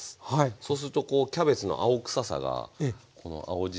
そうするとこうキャベツの青臭さがこの青じ